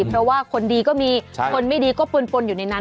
เพราะว่าคนดีก็มีคนไม่ดีก็ปนอยู่ในนั้น